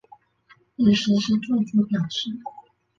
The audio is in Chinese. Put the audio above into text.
已实施住居表示。